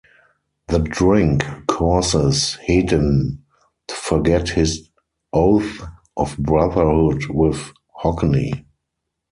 The drink causes Hedinn to forget his oath of brotherood with Hogni.